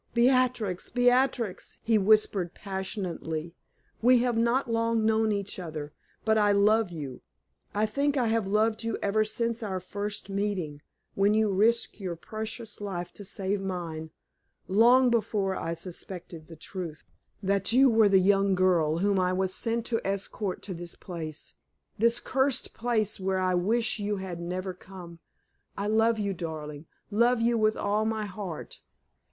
"Beatrix! Beatrix!" he whispered, passionately, "we have not long known each other, but I love you! I think I have loved you ever since our first meeting, when you risked your precious life to save mine long before I suspected the truth that you were the young girl whom I was sent to escort to this place this cursed place where I wish you had never come. I love you, darling love you with all my heart.